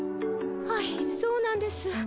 はいそうなんです。